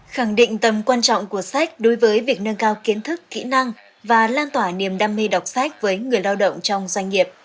khẳng định tầm quan trọng của sách đối với việc nâng cao kiến thức kỹ năng và lan tỏa niềm đam mê đọc sách với người lao động trong doanh nghiệp